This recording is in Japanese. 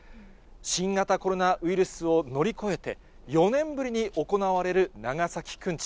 新型コロナウイルスを乗り越えて、４年ぶりに行われる長崎くんち。